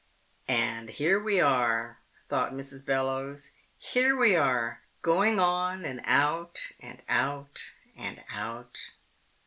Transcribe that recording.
And here we are, thought Mrs. Bellowes. _Here we are, going on out, and out, and out.